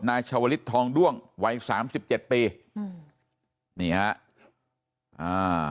ชาวลิศทองด้วงวัยสามสิบเจ็ดปีอืมนี่ฮะอ่า